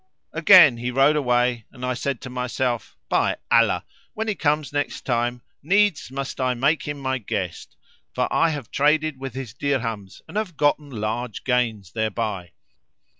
Again he rode away and I said to myself, "By Allah, when he comes next time needs must I make him my guest; for I have traded with his dirhams and have gotten large gains thereby."